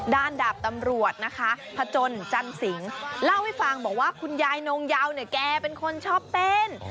ดาบตำรวจนะคะพจนจันสิงเล่าให้ฟังบอกว่าคุณยายนงเยาเนี่ยแกเป็นคนชอบเต้น